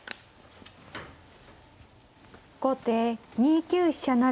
後手２九飛車成。